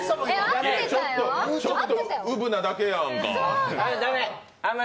ちょっと、ウブなだけやんか。